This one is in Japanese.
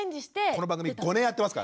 この番組５年やってますからね。